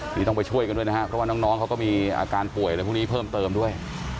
นี่ต้องไปช่วยกันด้วยนะครับเพราะว่าน้องเขาก็มีอาการป่วยอะไรพวกนี้เพิ่มเติมด้วย